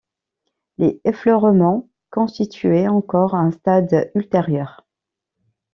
Les effleurements constituaient encore un stade ultérieur.